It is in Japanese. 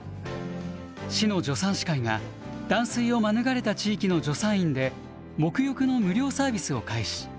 市の助産師会が断水を免れた地域の助産院でもく浴の無料サービスを開始。